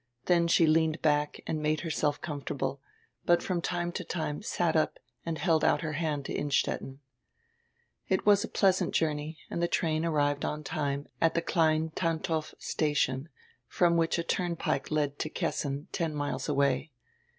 Then she leaned back and made herself comfortable, but from time to time sat up and held out her hand to Innstetten. It was a pleasant journey, and die train arrived on time at the Klein Tantow station, from which a turnpike led to Kessin, ten miles away.